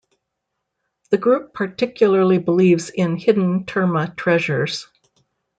The group particularly believes in hidden terma treasures.